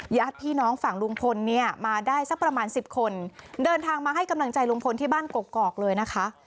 ญาติพี่น้องฝั่งลุงพลเนี่ยมาได้สักประมาณสิบคนเดินทางมาให้กำลังใจลุงพลที่บ้านกกอกเลยนะคะ